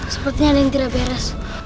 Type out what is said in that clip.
sepertinya ada yang tidak beres